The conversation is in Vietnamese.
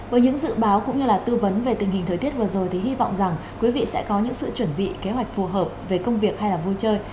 với những dự báo cũng như là tư vấn về tình hình thời tiết vừa rồi thì hy vọng rằng quý vị sẽ có những sự chuẩn bị kế hoạch phù hợp về công việc hay là vui chơi